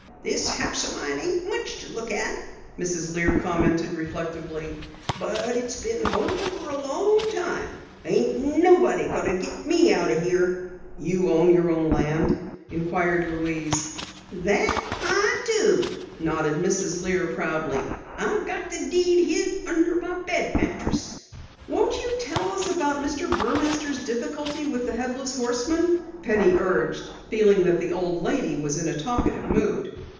"This house o' mine ain't much to look at," Mrs. Lear commented reflectively, "but it's been home fer a long time. Ain't nobody going to get me out o' here." "You own your own land?" inquired Louise. "That I do," nodded Mrs. Lear proudly. "I got the deed hid under my bed mattress." "Won't you tell us about Mr. Burmaster's difficulty with the Headless Horseman," Penny urged, feeling that the old lady was in a talkative mood.